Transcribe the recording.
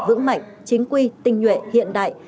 vững mạnh chính quy tinh nhuệ hiện đại